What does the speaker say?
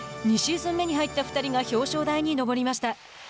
２シーズン目に入った２人が表彰台に上りました。